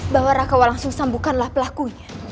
bahwa raka walangsungsar bukanlah pelakunya